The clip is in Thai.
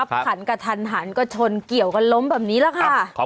ขันกระทันหันก็ชนเกี่ยวกันล้มแบบนี้แหละค่ะ